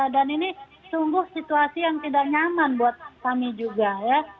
dan ini sungguh situasi yang tidak nyaman buat kami juga ya